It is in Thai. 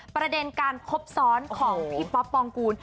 ประเด็นการคบซ้อนของพี่ป๊อปปองกูล